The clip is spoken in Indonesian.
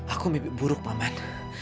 aku mimpi buruk maman